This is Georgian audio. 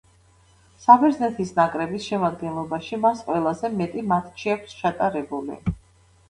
საბერძნეთის ნაკრების შემადგენლობაში მას ყველაზე მეტი მატჩი აქვს ჩატარებული.